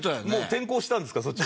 もう転向したんですか